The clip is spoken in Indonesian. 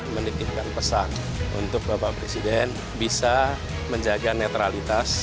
menitipkan pesan untuk bapak presiden bisa menjaga netralitas